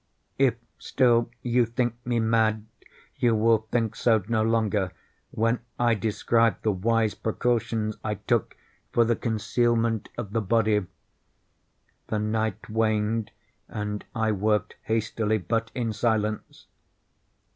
If still you think me mad, you will think so no longer when I describe the wise precautions I took for the concealment of the body. The night waned, and I worked hastily, but in silence.